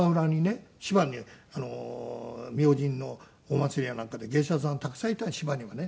芝に明神のお祭りやなんかで芸者さんたくさんいた芝にはね。